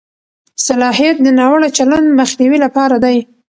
صلاحیت د ناوړه چلند مخنیوي لپاره دی.